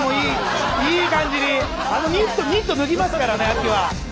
あのニット脱ぎますからね秋は。